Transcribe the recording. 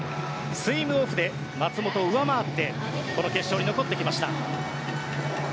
スイムオフで松元を上回って決勝に残ってきました。